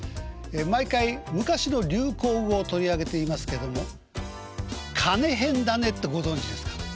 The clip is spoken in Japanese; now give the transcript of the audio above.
毎回昔の流行語を取り上げていますけども「金ヘンだね」ってご存じですか？